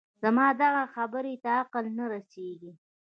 زما دغه خبرې ته عقل نه رسېږي